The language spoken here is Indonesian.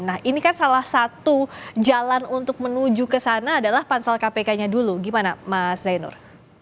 nah ini kan salah satu jalan untuk menuju ke sana adalah pansel kpk nya dulu gimana mas zainur